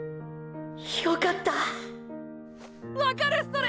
よかったわかるそれ！